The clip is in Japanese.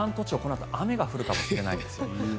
関東地方はこのあと雨が降るかもしれないんです。